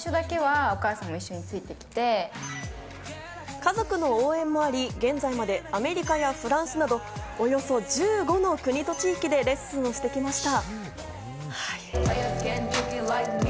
家族の応援もあり、現在までアメリカやフランスなど、およそ１５の国と地域でレッスンをしてきました。